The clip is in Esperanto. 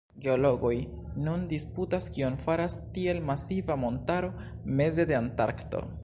Geologoj nun disputas, kion faras tiel masiva montaro meze de Antarkto.